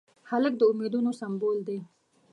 هلک د امیدونو سمبول دی.